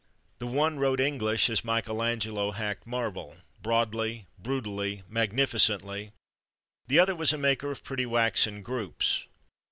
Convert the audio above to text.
The one wrote English as Michelangelo hacked marble, broadly, brutally, magnificently; the other was a maker of pretty waxen groups.